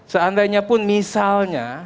seandainya pun misalnya